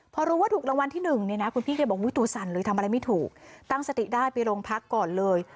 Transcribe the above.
พอรู้ว่าถูกรางวัลที่หนึ่งเนี่ยนะคุณพี่แกบอกตัวสั่นเลยทำอะไรไม่ถูกตั้งสติได้ไปโรงพักก่อนเลย